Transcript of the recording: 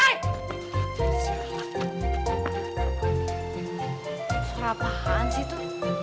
surah apaan sih itu